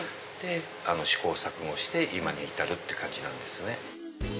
試行錯誤して今に至るって感じなんですね。